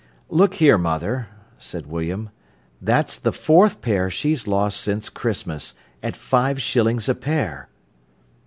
"Look here, mother," said William, "that's the fourth pair she's lost since Christmas—at five shillings a pair!"